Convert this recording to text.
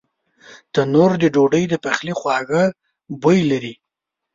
تنور د ډوډۍ د پخلي خواږه بوی لري